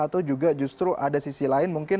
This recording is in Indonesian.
atau juga justru ada sisi lain mungkin